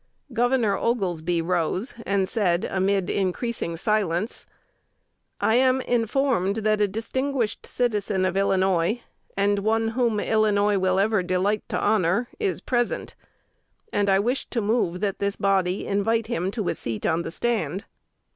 Gov. Oglesby rose and said amid increasing silence, "I am informed that a distinguished citizen of Illinois, and one whom Illinois will ever delight to honor, is present; and I wish to move that this body invite him to a seat on the stand."